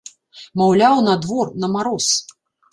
Маўляў, на двор, на мароз!